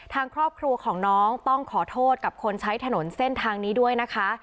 ทางครอบครัวของน้องต้องขอโทษกับคนใช้ถนนเส้นทางนี้ด้วยนะคะ